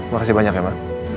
makasih banyak ya ma